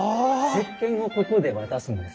せっけんをここで渡すんです。